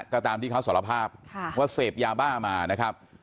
ก็ตามที่เขาสารภาพว่าเสพยาบ้ามานะครับ